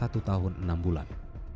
satu tahun enam bulan